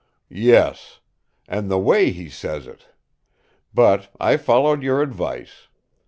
"Yes; and the way he says it. But I followed your advice.